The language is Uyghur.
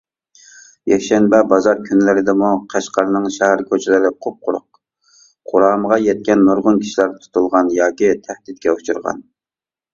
يەكشەنبە بازار كۈنلىرىدىمۇ قەشقەرنىڭ شەھەر كوچىلىرى قۇپقۇرۇق، قۇرامىغا يەتكەن نۇرغۇن كىشىلەر تۇتۇلغان ياكى تەھدىتكە ئۇچرىغان.